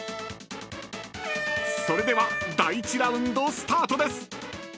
［それでは第１ラウンドスタートです］